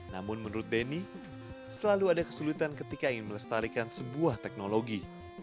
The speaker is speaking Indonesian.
namun menurut denny selalu ada kesulitan ketika ingin melestarikan sebuah teknologi